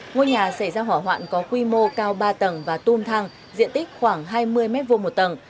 ngôi nhà xảy ra hỏa hoạn có quy mô cao ba tầng và tung thang diện tích khoảng hai mươi m hai một tầng